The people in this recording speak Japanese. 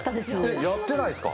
えっやってないですか。